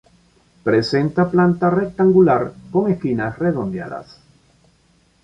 Presenta planta rectangular, con esquinas redondeadas.